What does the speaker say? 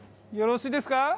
よろしいですか？